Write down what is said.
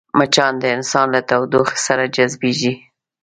مچان د انسان له تودوخې سره جذبېږي